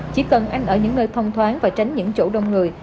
chỉ cần ăn ở những nơi thông thoáng và tránh những chỗ đông người